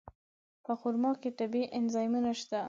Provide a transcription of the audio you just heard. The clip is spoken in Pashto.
په خرما کې طبیعي انزایمونه شته.